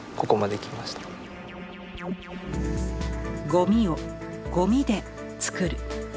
「ゴミ」を「ゴミ」で作る。